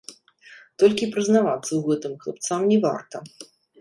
Толькі прызнавацца ў гэтым хлапцам не варта.